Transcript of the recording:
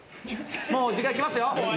・もう時間きますよ。